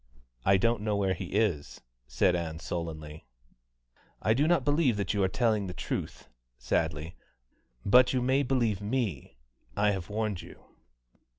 "I don't know where he is," said Ann sullenly. "I do not believe you are telling the truth" (sadly); "but you may believe me, I have warned you."